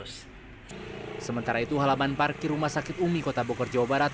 sementara itu halaman parkir rumah sakit umi kota bogor jawa barat